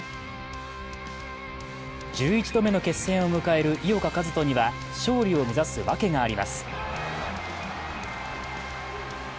１１度目の決戦を迎える井岡一翔には勝利を目指すわけがあります。